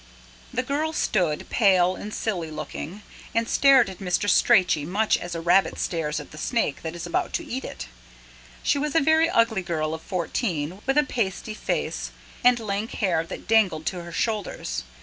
The girl stood, pale and silly looking, and stared at Mr. Strachey much as a rabbit stares at the snake that is about to eat it. She was a very ugly girl of fourteen, with a pasty face, and lank hair that dangled to her shoulders.